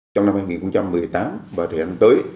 trong năm hai nghìn một mươi tám và thời gian tới